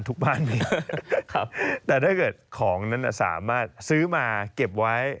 ทุกบ้านแต่ถ้าเกิดของนั้นสามารถซื้อมาเก็บไว้